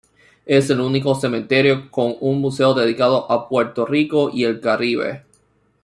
Es el único cementerio con un museo dedicado a Puerto Rico y el Caribe.